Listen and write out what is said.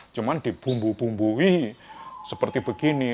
cuma dibumbu bumbui seperti begini